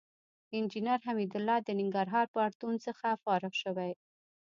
انجينر حميدالله د ننګرهار پوهنتون څخه فارغ شوى.